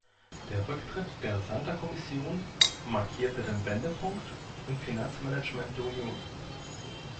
Der Rücktritt der Santer-Kommission markierte den Wendepunkt im Finanzmanagement der Union.